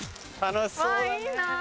楽しそう。